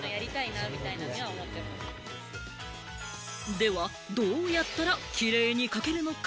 ではどうやったらキレイに書けるのか？